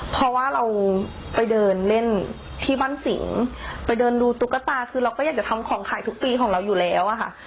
เพราะว่าเราไปเดินเล่นที่บ้านสิงไปเดินดูตุ๊กตาคือเราก็อยากจะทำของขายทุกปีของเราอยู่แล้วอะค่ะ